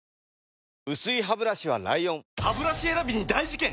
薄いハブラシは ＬＩＯＮハブラシ選びに大事件！